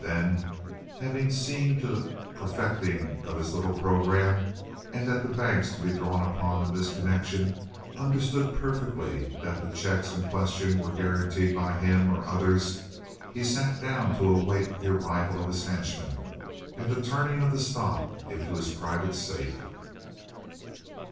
Then, having seen to the perfecting of this little programme, and that the banks to be drawn upon in this connection understood perfectly that the checks in question were guaranteed by him or others, he sat down to await the arrival of his henchmen and the turning of the stock into his private safe.